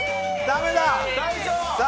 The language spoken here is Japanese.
だめだ！